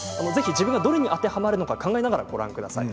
自分がどれに当てはまるのか考えながらご覧ください。